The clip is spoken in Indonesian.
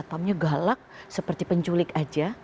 satpamnya galak seperti penculik saja